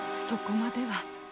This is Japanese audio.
そこまでは。